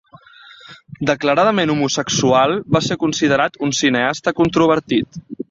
Declaradament homosexual, va ser considerat un cineasta controvertit.